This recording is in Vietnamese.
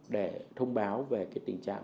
để thông báo về tình trạng